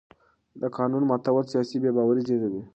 د قانون ماتول سیاسي بې باوري زېږوي